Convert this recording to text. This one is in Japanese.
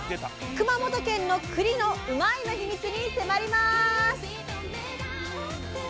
熊本県のくりのうまいッ！の秘密に迫ります！